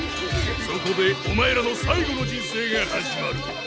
そこでお前らの最後の人生が始まる！